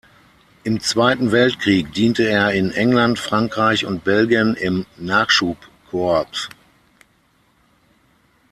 Im Zweiten Weltkrieg diente er in England, Frankreich und Belgien im Nachschub-Corps.